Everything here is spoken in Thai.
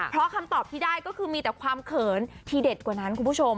เพราะคำตอบที่ได้ก็คือมีแต่ความเขินที่เด็ดกว่านั้นคุณผู้ชม